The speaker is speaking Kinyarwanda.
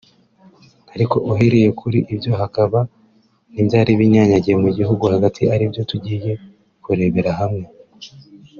ariko uhereye kuri ibyo hakaba n’ibyari binyanyagiye mu gihugu hagati ari byo tugiye kurebera hamwe